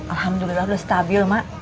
alhamdulillah udah stabil mak